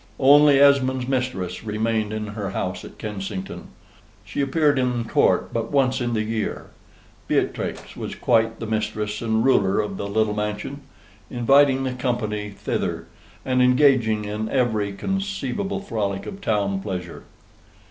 Only Esmond's mistress remained in her house at Kensington. She appeared in court but once in the year; Beatrix was quite the mistress and ruler of the little mansion, inviting the company thither, and engaging in every conceivable frolic of town pleasure.